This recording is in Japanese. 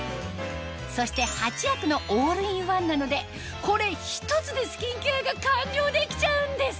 そして８役のオールインワンなのでこれ１つでスキンケアが完了できちゃうんです